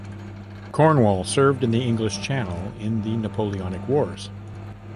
"Cornwall" served in the English Channel in the Napoleonic Wars.